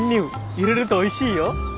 入れるとおいしいよ。